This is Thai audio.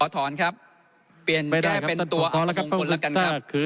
ถอนครับเปลี่ยนแก้เป็นตัวอัตมงคลแล้วกันครับ